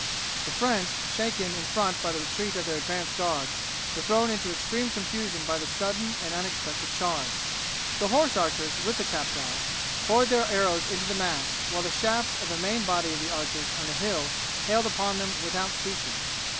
The French, shaken in front by the retreat of their advance guard, were thrown into extreme confusion by this sudden and unexpected charge. The horse archers with the captal poured their arrows into the mass, while the shafts of the main body of the archers on the hill hailed upon them without ceasing.